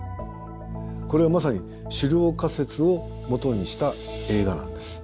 これはまさに狩猟仮説を基にした映画なんです。